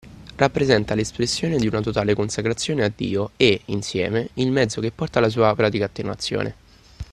Rappresenta l'espressione di una totale consacrazione a Dio e, insieme, il mezzo che porta alla sua pratica attuazione.